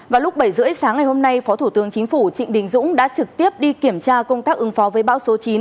vào lúc bảy h ba mươi sáng ngày hôm nay phó thủ tướng chính phủ trịnh đình dũng đã trực tiếp đi kiểm tra công tác ứng phó với bão số chín